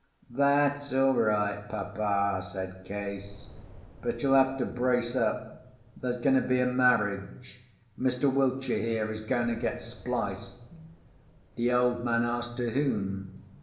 "That's all right, Papa," said Case. "But you'll have to brace up. There's going to be a marriage—Mr. Wiltshire here is going to get spliced." The old man asked to whom.